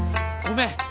ごめん。